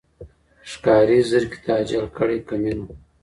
ښکاري زرکي ته اجل کړی کمین و